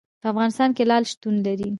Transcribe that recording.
په افغانستان کې لعل شتون لري.